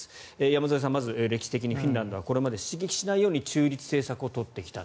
山添さん、まず歴史的にフィンランドはこれまで刺激しないように中立政策を取ってきた。